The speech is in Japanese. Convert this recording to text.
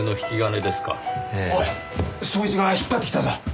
捜一が引っ張ってきたぞ。